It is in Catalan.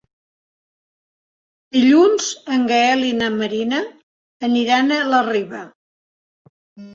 Dilluns en Gaël i na Maria aniran a la Riba.